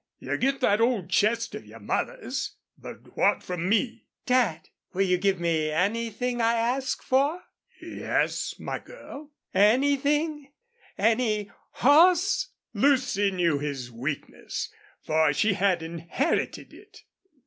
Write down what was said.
"You get that old chest of your mother's. But what from me?" "Dad, will you give me anything I ask for?" "Yes, my girl." "Anything any HORSE?" Lucy knew his weakness, for she had inherited it.